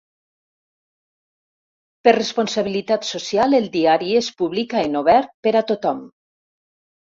Per responsabilitat social el diari es publica en obert per a tothom.